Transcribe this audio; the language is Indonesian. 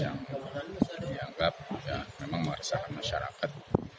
yang dianggap memang meresahkan masyarakat